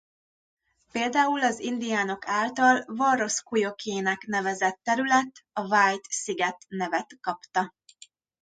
Például az indiánok által Warrosquyoake-nek nevezett terület a Wight-sziget nevet kapta.